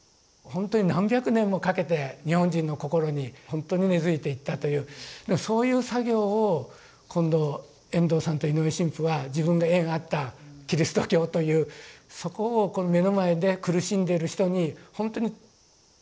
本当に何百年もかけて日本人の心に本当に根づいていったというそういう作業を今度遠藤さんと井上神父は自分が縁あったキリスト教というそこをこの目の前で苦しんでいる人に本当に届けたいと。